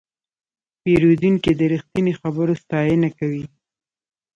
پیرودونکی د رښتیني خبرو ستاینه کوي.